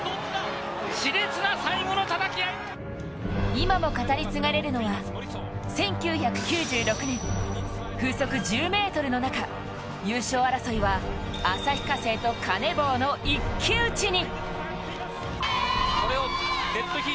今も語り継がれるのは１９９６年、風速１０ｍの中、優勝争いは旭化成とカネボウの一騎打ちに。